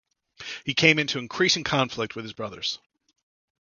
He came into increasing conflict with his brothers.